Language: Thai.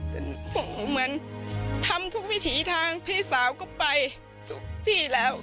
แต่เหมือนทำทุกวิถีทางพี่สาวก็ไปทุกที่แล้ว